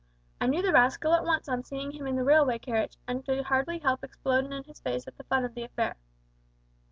I knew the rascal at once on seeing him in the railway carriage, and could hardly help explodin' in his face at the fun of the affair.